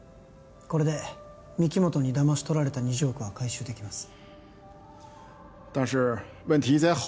これで御木本にだましとられた２０億は回収できます